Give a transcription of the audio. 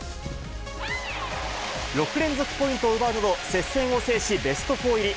６連続ポイントを奪うなど、接戦を制し、ベストフォー入り。